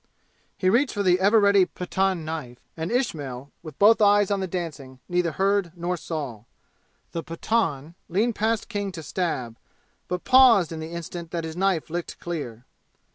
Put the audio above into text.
He reached for the ever ready Pathan knife, and Ismail, with both eyes on the dancing, neither heard nor saw. The Pathan leaned past King to stab, but paused in the instant that his knife licked clear.